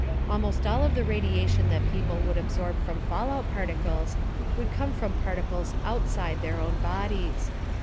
Almost all of the radiation that people would absorb from fallout particles would come from particles outside their own bodies.